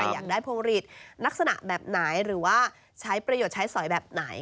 อยากได้พวงหลีดลักษณะแบบไหนหรือว่าใช้ประโยชน์ใช้สอยแบบไหน